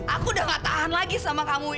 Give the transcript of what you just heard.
aku udah gak tahan lagi sama kamu